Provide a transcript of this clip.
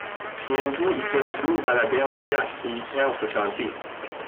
Bientôt il se retrouve à la guerre d'Irak ou il perd sa santé.